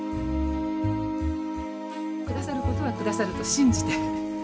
下さることは下さると信じて。